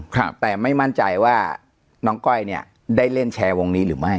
ครับแต่ไม่มั่นใจว่าน้องก้อยเนี่ยได้เล่นแชร์วงนี้หรือไม่